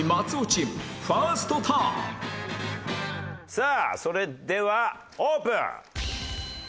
さあそれではオープン！